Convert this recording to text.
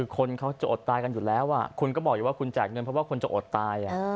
คนเขาจะอดตายกันอยู่แล้วคุณก็บอกอยู่ว่าคุณแจกเงินเพราะว่าคนจะอดตาย